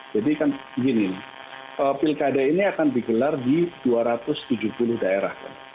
jadi kan begini pilkada ini akan digelar di dua ratus tujuh puluh daerah